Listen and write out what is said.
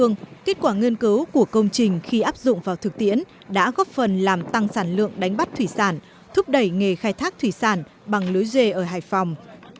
nhưng kết quả nghiên cứu của công trình khi áp dụng vào thực tiễn đã góp phần làm tăng sản lượng đánh bắt thủy sản thúc đẩy nghề khai thác thủy sản bằng lưới dê ở hải phòng